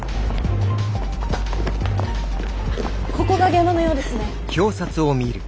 ここが現場のようですね。